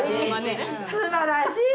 すばらしい！